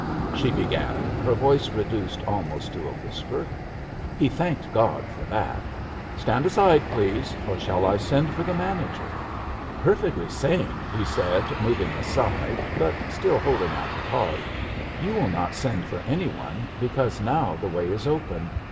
she began, her voice reduced almost to a whisper — ^he thanked ^ JUST SWEETHEARTS ^ God for that. "Stand aside, please, or shall I send for the manager?" "Perfectly sane," he said, moving aside, but still holding out the card. "You will not send for anyone, because now the way is open.